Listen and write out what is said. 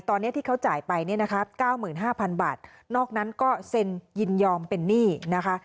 ตอนนี้ที่เขาจ่ายไปเนี่ยนะคะ๙๕๐๐๐บาทนอกนั้นก็เซ็นยินยอมเป็นหนี้นะคะ